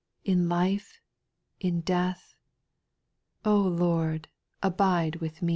In life, in death, oh I Lord, abide with.